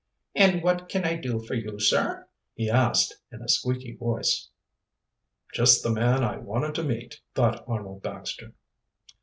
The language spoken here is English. "And what can I do for you, sir?" he asked, in a squeaky voice. "Just the man I wanted to meet," thought Arnold Baxter.